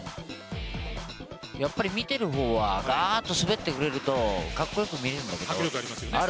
やっぱり見ているほうはガーッと滑ってくれるとかっこよく見えるんだよね。